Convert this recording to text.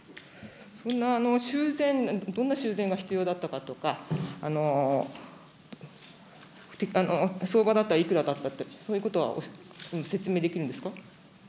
そんな修繕、どんな修繕が必要だったかとか、相場だといくらだったって、そういうことは説明できるんですか。